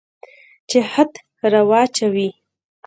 چې خط را واچوي.